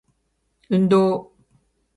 運動